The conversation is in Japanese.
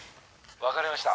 わかりました。